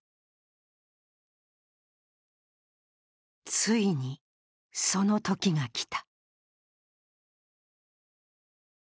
ついに、その時が来た。